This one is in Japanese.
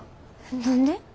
何で？